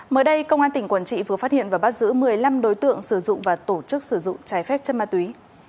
mới đây công an tỉnh quảng trị vừa phát hiện và bắt giữ một mươi năm đối tượng sử dụng và tổ chức sử dụng trái phép chất ma túy